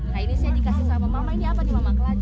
nah ini saya dikasih sama mama ini apa nih mama keladi